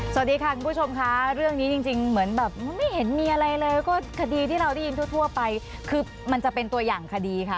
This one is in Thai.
สวัสดีค่ะคุณผู้ชมค่ะเรื่องนี้จริงเหมือนแบบไม่เห็นมีอะไรเลยก็คดีที่เราได้ยินทั่วไปคือมันจะเป็นตัวอย่างคดีค่ะ